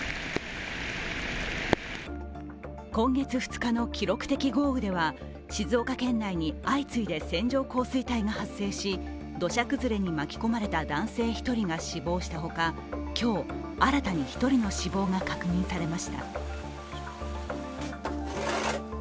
今月２日の記録的豪雨では静岡県内に相次いで線状降水帯が発生し、土砂崩れに巻き込まれた男性１人が死亡したほか今日、新たに１人の死亡が確認されました。